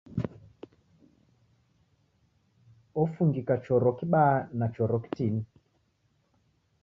Ofungika choro kibaa na choro kitini.